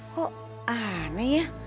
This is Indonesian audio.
kok aneh ya